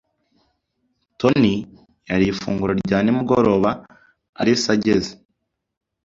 Toni yariye ifunguro rya nimugoroba Alice ageze.